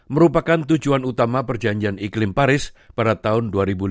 merupakan tujuan utama perjanjian iklim paris pada tahun dua ribu lima belas